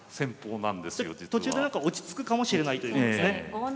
途中でなんか落ち着くかもしれないということですね。